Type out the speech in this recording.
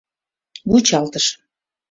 Вучалтышым.